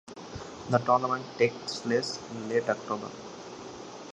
The tournament takes place in late October.